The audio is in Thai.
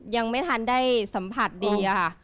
ยังไม่ทันได้สัมผัสดีค่ะ